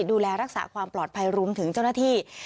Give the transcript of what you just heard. ดูแลรักษาความปลอดภัยรวมถึงเจ้าหน้าที่